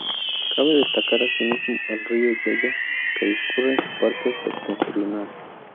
Cabe destacar asimismo el río Yeya que discurre en su parte septentrional.